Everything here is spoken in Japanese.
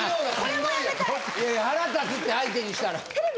腹立つって相手にしたら。